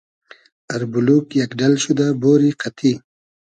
اربولوگ یئگ ۮئل شودۂ بۉری قئتی